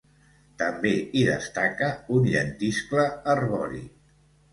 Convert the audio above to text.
També hi destaca un llentiscle arbori.